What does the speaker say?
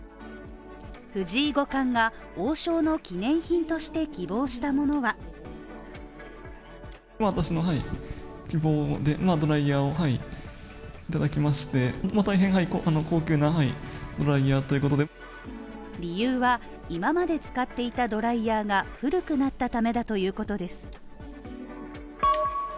藤井五冠が、王将の記念品として希望したものは理由は、今まで使っていたドライヤーが古くなったためだということです。